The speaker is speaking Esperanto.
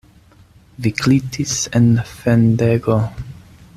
Vi glitis en fendego.